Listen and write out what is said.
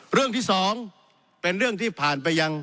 เรื่องที่สองเป็นเรื่องที่ผ่านไปยัง